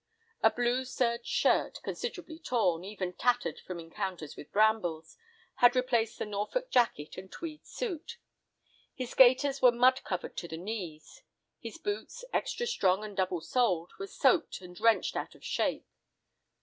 A blue serge shirt, considerably torn, even tattered from encounters with brambles, had replaced the Norfolk jacket and tweed suit. His gaiters were mud covered to the knees. His boots, extra strong and double soled, were soaked and wrenched out of shape.